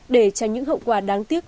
để tránh những hậu quả đáng tiếc